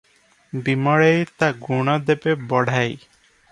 ବିମଳେଇ ତା ଗୁଣ ଦେବେ ବଢ଼ାଇ ।